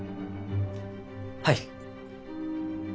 はい。